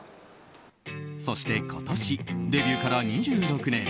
そして今年、デビューから２６年。